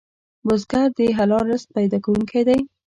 بزګر د حلال رزق پیدا کوونکی دی